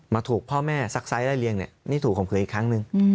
ถูกพ่อแม่ซักไซส์ไล่เรียงเนี่ยนี่ถูกข่มขืนอีกครั้งหนึ่ง